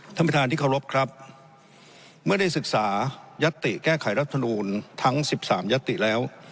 ท่านประธานที่เคารพครับเมื่อได้ศึกษายัตติแก้ไขรัฐมนูลทั้ง๑๓ยติแล้ว